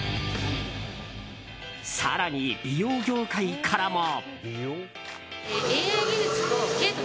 更に、美容業界からも。